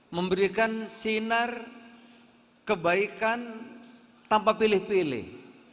memberikan sinar kebaikan tanpa pilih pilih